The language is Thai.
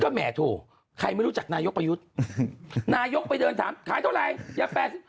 แหมโถใครไม่รู้จักนายกประยุทธ์นายกไปเดินถามขายเท่าไร